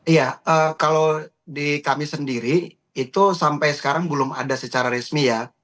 iya kalau di kami sendiri itu sampai sekarang belum ada secara resmi ya